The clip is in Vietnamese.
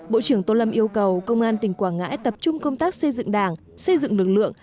bộ trưởng tô lâm yêu cầu công an tỉnh quảng ngãi tập trung công tác xây dựng đảng xây dựng lực lượng